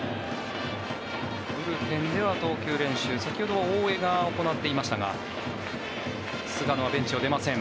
ブルペンでは投球練習先ほどは大江が行っていましたが菅野はベンチを出ません。